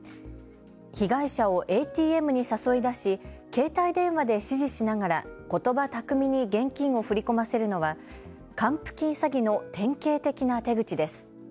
被害者をＡＴＭに誘い出し携帯電話で指示しながらことば巧みに現金を振り込ませるのは還付金詐欺の典型的な手口です。